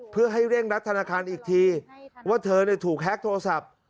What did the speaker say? เพื่อให้เร่งรัดธนาคารอีกทีว่าเธอถูกแฮ็กโทรศัพท์